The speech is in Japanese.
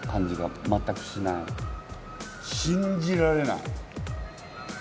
信じられない。